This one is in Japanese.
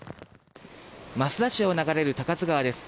益田市を流れる高津川です。